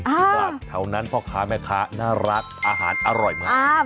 ดีกว่าแถวนั้นพ่อค้าแม่ค้าน่ารักอาหารอร่อยมาก